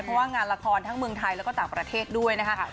เพราะว่างานละครทั้งเมืองไทยแล้วก็ต่างประเทศด้วยนะคะ